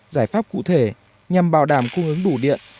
giải pháp cụ thể nhằm bảo đảm cung ứng đủ điện